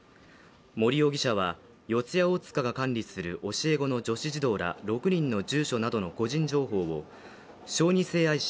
森容疑者は四谷大塚が管理する教え子の女子児童ら６人の住所などの個人情報を小児性愛者